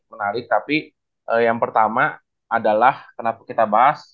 menarik tapi yang pertama adalah kenapa kita bahas